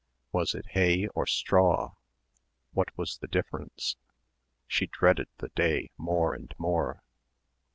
Was it hay or straw? What was the difference? She dreaded the day more and more.